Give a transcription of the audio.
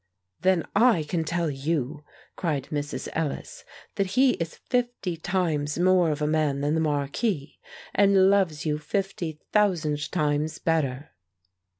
"Then I can tell you," cried Mrs. Ellis, "that he is fifty times more of a man than the marquis, and loves you fifty thousand times better!"